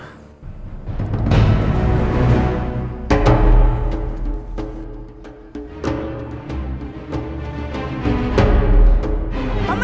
tidak tahu pun